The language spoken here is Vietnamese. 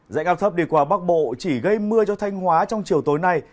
dãy áp thấp đi qua bắc bộ chỉ gây mưa cho thanh hóa trong chiều tối nay